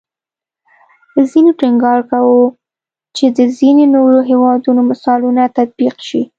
ځینو ټینګار کوو چې د ځینې نورو هیوادونو مثالونه تطبیق شي